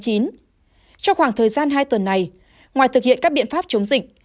trong khoảng thời gian hai tuần này ngoài thực hiện các biện pháp chống dịch